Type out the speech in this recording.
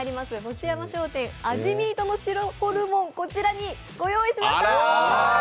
星山商店味ｍｅａｔの白ホルモン、こちらにご用意しました。